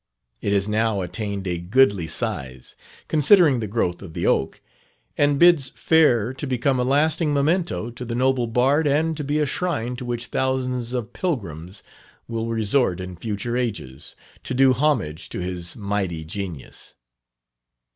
It has now attained a goodly size, considering the growth of the oak, and bids fair to become a lasting memento to the Noble Bard, and to be a shrine to which thousands of pilgrims will resort in future ages, to do homage to his mighty genius.